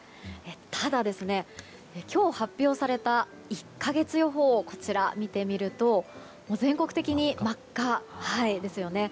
ただ今日、発表された１か月予報を見てみると全国的に真っ赤ですよね。